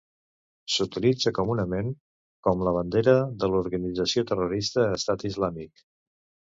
S'utilitza comunament com la bandera de l'organització terrorista Estat Islàmic.